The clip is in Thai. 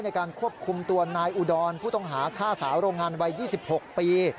ในการควบคุมตัวนายอุดรผู้ต้องหาฆ่าสาวโรงงานวัย๒๖ปี